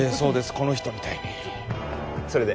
この人みたいにそれで？